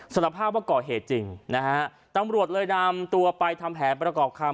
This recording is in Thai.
สารภาพว่าก่อเหตุจริงนะฮะตำรวจเลยนำตัวไปทำแผนประกอบคำ